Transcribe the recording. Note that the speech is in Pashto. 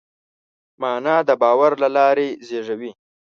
معنی د باور له لارې زېږي.